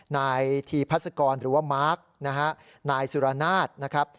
นายทีพัศกรหรือว่ามาร์คนะฮะนายสุรนาศนะครับ